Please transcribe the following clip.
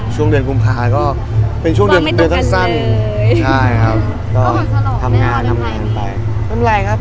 ช่วงเดือนกุมภาคมก็เป็นช่วงเดือนทั้งสั้นใช่ครับก็ทำงานไปไม่เป็นไรครับ